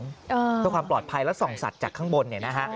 เพื่อความปลอดภัยแล้วส่องสัตว์จากข้างบนเนี่ยนะฮะ